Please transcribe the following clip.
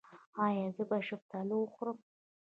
ایا زه باید شفتالو وخورم؟